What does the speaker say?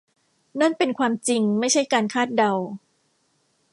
นั่นเป็นความจริงไม่ใช่การคาดเดา